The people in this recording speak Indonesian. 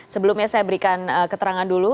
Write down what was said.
sebelumnya saya berikan keterangan dulu